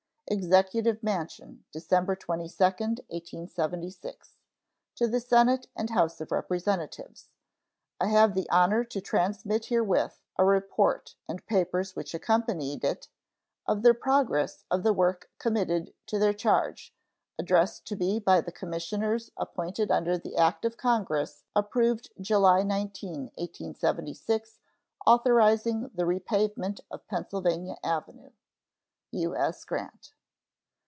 EXECUTIVE MANSION, December 22, 1876. To the Senate and House of Representatives: I have the honor to transmit herewith a report (and papers which accompanied it) of the progress of the work committed to their charge, addressed to me by the commissioners appointed under the act of Congress approved July 19, 1876, authorizing the repavement of Pennsylvania avenue. U.S. GRANT.